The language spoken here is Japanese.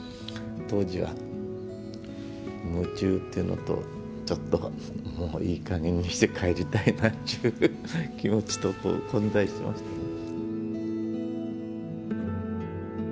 当時は夢中っていうのとちょっともういいかげんにして帰りたいなっちゅう気持ちとこう混在してましたね。